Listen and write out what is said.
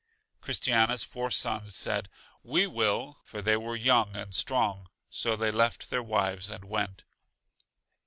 Christiana's four sons said: We will; for they were young and strong; so they left their wives and went.